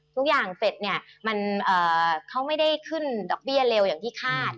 ทุกอย่างเสร็จเนี่ยเขาไม่ได้ขึ้นดอกเบี้ยเร็วอย่างที่คาด